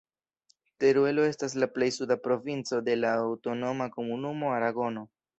Teruelo estas la plej suda provinco de la Aŭtonoma Komunumo Aragono.